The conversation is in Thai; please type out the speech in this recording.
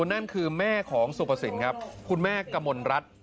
นั่นคือแม่ของสุภสินครับคุณแม่กมลรัฐ